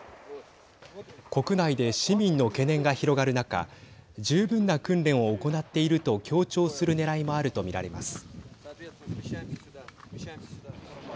国内で市民の懸念が広がる中十分な訓練を行っていると強調するねらいもあると見られます。